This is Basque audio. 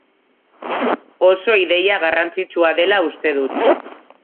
Oso ideia garrantzitsua dela uste dut.